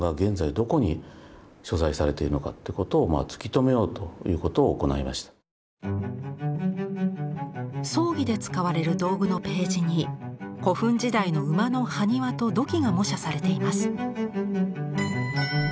３年間共同研究を行いまして葬儀で使われる道具のページに古墳時代の馬の埴輪と土器が模写されています。